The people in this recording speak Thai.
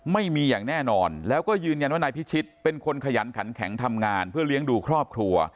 ไม่มีอย่างแน่นอนแล้วก็ยืนยันว่านายพิชิตเป็นคนขยันขันแข็งทำงานเพื่อเลี้ยงดูครอบครัว